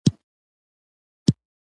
دا د پخواني هوايي ځواک پاتې لوګو وه.